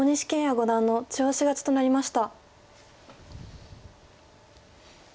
五段の中押し勝ちとなりました。